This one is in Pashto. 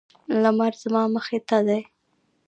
لمر زما مخې ته دی